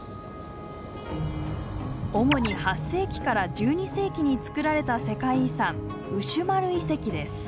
主に８世紀から１２世紀に作られた世界遺産ウシュマル遺跡です。